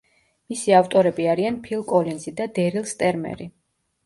მისი ავტორები არიან ფილ კოლინზი და დერილ სტერმერი.